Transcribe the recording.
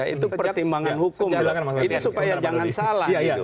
itu pertimbangan hukum